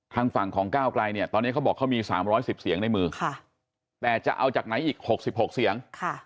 ทางฝั่งของก้าวไกลเนี่ยตอนนี้เขาบอกเขามี๓๑๐เสียงในมือแต่จะเอาจากไหนอีก๖๖เสียง